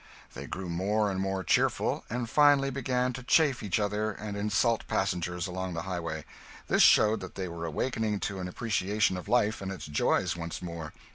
They grew more and more cheerful, and finally began to chaff each other and insult passengers along the highway. This showed that they were awaking to an appreciation of life and its joys once more.